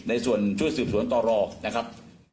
ในส่วนช่วยสืบสวนต่อรอนะครับ